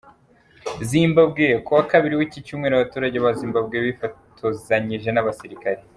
Zimbabwe: Kuwa kabiri w’iki cyumweru, abaturage ba zimbabwe bifotozanije n’abasirikare.